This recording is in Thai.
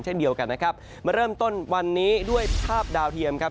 เช่นเดียวกันนะครับมาเริ่มต้นวันนี้ด้วยภาพดาวเทียมครับ